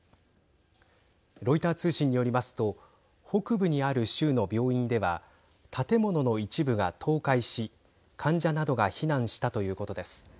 ロイター通信によりますと北部にある州の病院では建物の一部が倒壊し患者などが避難したということです。